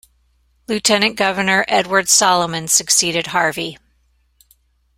Lieutenant Governor Edward Salomon succeeded Harvey.